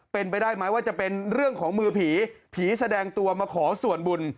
เป็นไปได้ไหมว่าจะเป็นเรื่องของมือผีผีแสดงตัวมาขอส่วนบุญ